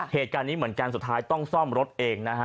เหตุการณ์นี้เหมือนกันสุดท้ายต้องซ่อมรถเองนะฮะ